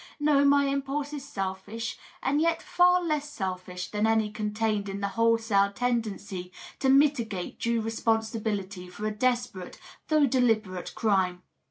No, my impulse is selfish, and yet fiir less selfish than any contained in the wholesale tendency to mitigate due responsibility for a desperate though deliberate crime.